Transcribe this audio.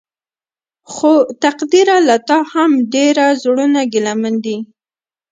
خو تقديره له تا هم ډېر زړونه ګيلمن دي.